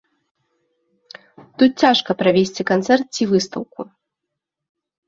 Тут цяжка правесці канцэрт ці выстаўку.